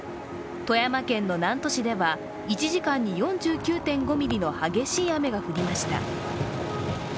富山県の南砺市では１時間に４９．５ミリの激しい雨が降りました。